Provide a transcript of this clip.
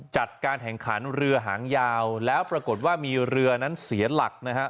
จัดการแข่งขันเรือหางยาวแล้วปรากฏว่ามีเรือนั้นเสียหลักนะฮะ